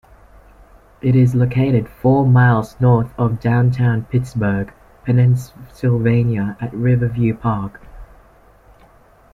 It is located four miles north of downtown Pittsburgh, Pennsylvania at Riverview Park.